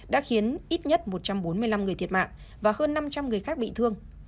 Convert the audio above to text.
đã khiến ít nhất một trăm bốn mươi năm người thiệt mạng và hơn năm trăm linh người khác bị thương